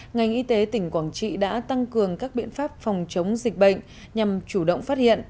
ngành y tế tỉnh quảng trị đã tăng cường các biện pháp phòng chống dịch bệnh nhằm chủ động phát hiện